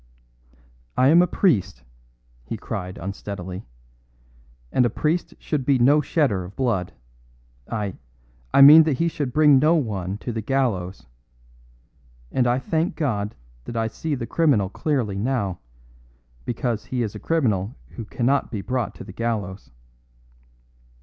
"I am a priest," he cried unsteadily, "and a priest should be no shedder of blood. I I mean that he should bring no one to the gallows. And I thank God that I see the criminal clearly now because he is a criminal who cannot be brought to the gallows."